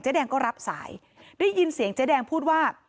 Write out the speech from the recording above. แดงก็รับสายได้ยินเสียงเจ๊แดงพูดว่า